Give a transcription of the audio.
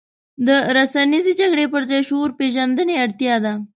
د رسنیزې جګړې پر ځای شعور پېژندنې اړتیا ده.